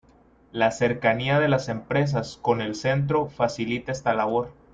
La cercanía de las empresas con el centro facilita esta labor.